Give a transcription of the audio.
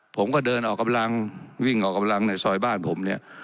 ผมก็เดินออกกำลังวิ่งออกกำลังในซอยบ้านผมเนี่ย